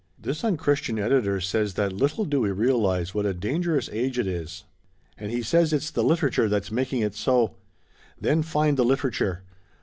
This unchristian editor says that little do we realize what a dangerous age it is. And he says it's the literature that's making it so. Then find the literature.